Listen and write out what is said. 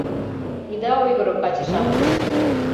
— Ида ойгыро, каче-шамыч!